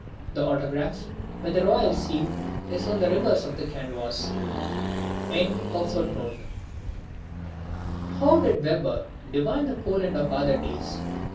The autograph, with the royal seal, is on the reverse side of the canvas.] How did Weber divine the Poland of other days?